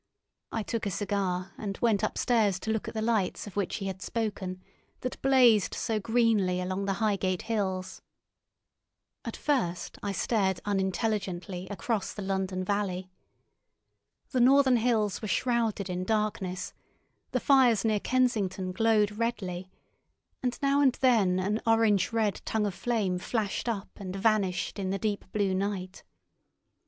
I took a cigar, and went upstairs to look at the lights of which he had spoken that blazed so greenly along the Highgate hills. At first I stared unintelligently across the London valley. The northern hills were shrouded in darkness; the fires near Kensington glowed redly, and now and then an orange red tongue of flame flashed up and vanished in the deep blue night.